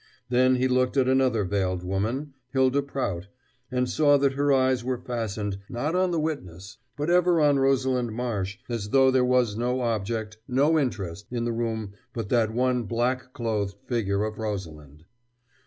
Then he looked at another veiled woman Hylda Prout and saw that her eyes were fastened, not on the witness, but ever on Rosalind Marsh, as though there was no object, no interest, in the room but that one black clothed figure of Rosalind.